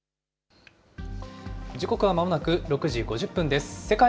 時刻はまもなく６時５０分です。